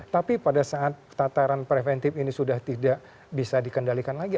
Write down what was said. tapi pada saat tataran preventif ini sudah tidak bisa dikendalikan lagi